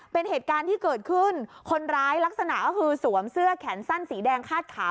เป็นเหตุการณ์ที่เกิดขึ้นคนร้ายลักษณะก็คือสวมเสื้อแขนสั้นสีแดงคาดขาว